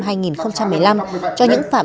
cho những phạm nhân chấp hành án phạt tù